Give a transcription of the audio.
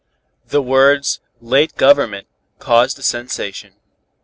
The words "late government" caused a sensation.